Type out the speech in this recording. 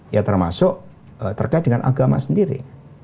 ya termasuk terkait dengan agama sendiri